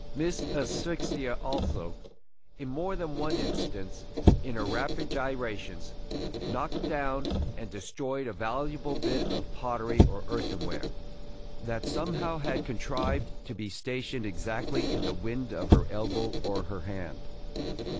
Miss Asphyxia also, in more than one instance, in her rapid gyrations, knocked down and destroyed a valuable bit of pottery or earthen ware, that somehow had contrived to be stationed exactly in the wind of her elbow or her hand.